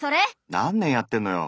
何年やってんのよ！